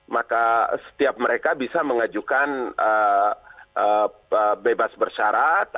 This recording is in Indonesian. maka setiap mereka bisa mengajukan bebas bersyarat